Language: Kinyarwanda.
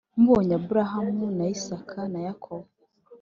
mubonye Aburahamu na Isaka na Yakobo